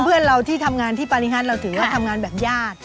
เพื่อนเราที่ทำงานที่ปาริฮัทเราถือว่าทำงานแบบญาติ